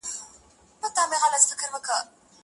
د يوسفي ښکلا له هر نظره نور را اوري,